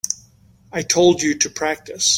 I told you to practice.